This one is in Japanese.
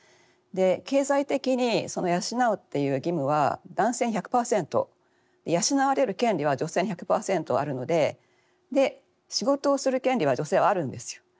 経済的にその養うっていう義務は男性１００％で養われる権利は女性に１００％あるので仕事をする権利は女性はあるんですよ。